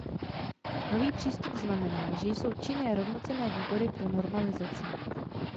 Nový přístup znamená, že jsou činné rovnocenné výbory pro normalizaci.